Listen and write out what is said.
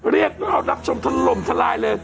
เรียกรับชมทะลมทลายเลย